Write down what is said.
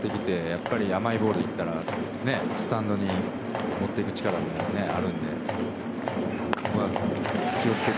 やっぱり、甘いボール行ったらスタンドに持っていく力もあるので。